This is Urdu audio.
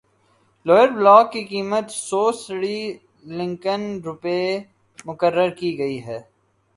لوئر بلاک کی قیمت سو سری لنکن روپے مقرر کی گئی ہے